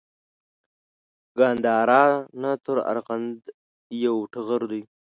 ګندارا نه تر ارغند یو ټغر دی